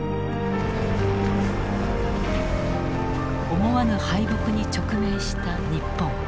思わぬ敗北に直面した日本。